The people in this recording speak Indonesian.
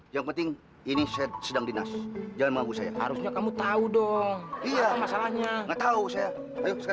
yang penting ini sedang dinas jangan mahu saya harusnya kamu tahu dong iya masalahnya